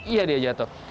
iya dia jatuh